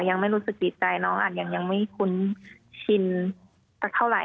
ยังไม่รู้สึกติดใจน้องอาจยังไม่คุ้นชินสักเท่าไหร่